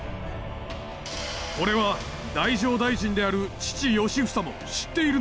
これは太政大臣である父良房も知っているのか？